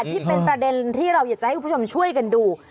ที่เป็นประเด็นที่เราอยากจะให้คุณผู้ชมช่วยกันดู